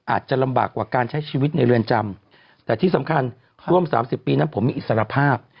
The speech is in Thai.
อาจจะลำบากกว่าการใช้ชีวิตในเรือนจำแต่ที่สำคัญร่วม๓๐ปีนั้นผมมีอิสรภาพ